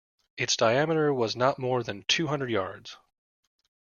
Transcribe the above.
Its diameter was not more than two hundred yards.